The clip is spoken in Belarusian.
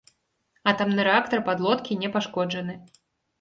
Атамны рэактар падлодкі не пашкоджаны.